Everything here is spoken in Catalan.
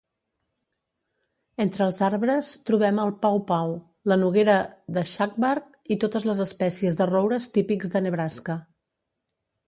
Entre els arbres trobem el pawpaw, la noguera de shagbark i totes les espècies de roures típics de Nebraska.